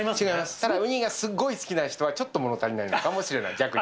ただ、ウニがすっごい好きな人は、ちょっと物足りないかもしれない、逆に。